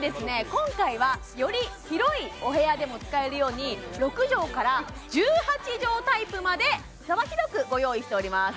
今回はより広いお部屋でも使えるように６畳から１８畳タイプまで幅広くご用意しております